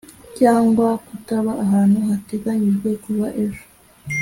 cyangwa kutaba ahantu hateganyijwe kuva ejo